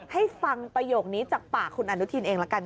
ให้ฟังประโยคนี้จากปากคุณอนุทินเองละกัน